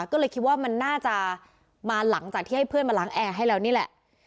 ก็เลยคิดว่ามันน่าจะมาหลังจากที่ให้เพื่อนมาล้างแอร์ให้แล้วนี่แหละ